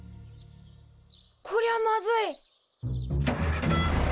・こりゃまずい！